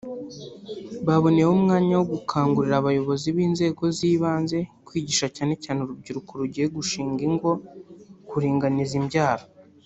Baboneyeho umwanya wo gukangurira abayobozi b’inzego z’ibanze kwigisha cyane cyane urubyiruko rugiye gushinga ingo kuringaniza imbyaro